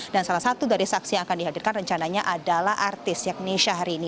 dan salah satu dari saksi yang akan dihadirkan rencananya adalah artis yakni syahrini